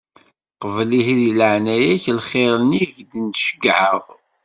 Qbel ihi di leɛnaya-k, lxiṛ-nni i k-n-ceggɛeɣ;